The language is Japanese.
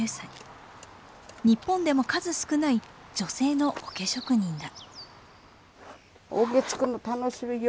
日本でも数少ない女性の桶職人だ。